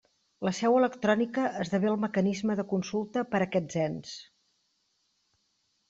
La seu electrònica esdevé el mecanisme de consulta per a aquests ens.